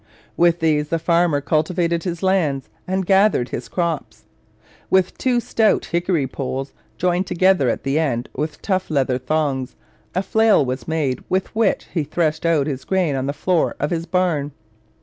With these the farmer cultivated his lands and gathered his crops. With two stout hickory poles, joined together at the end with tough leather thongs, a flail was made with which he threshed out his grain on the floor of his barn.